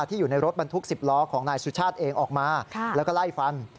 อยู่ในรถบรรทุก๑๐ล้อของนายสุชาติเองออกมาแล้วก็ไล่ฟัน